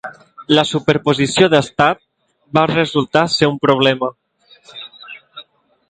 La superposició d’estat va resultar ser un problema.